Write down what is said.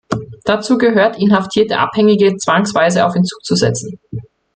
Dazu gehört, inhaftierte Abhängige zwangsweise auf Entzug zu setzen.